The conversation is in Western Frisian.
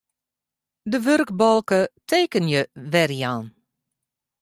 De wurkbalke Tekenje werjaan.